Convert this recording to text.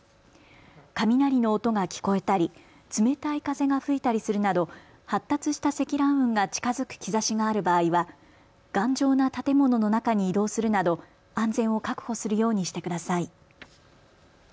雷の音が聞こえたり冷たい風が吹いたりするなど発達した積乱雲が近づく兆しがある場合は頑丈な建物の中に移動するなど安全を確保するようにしてください。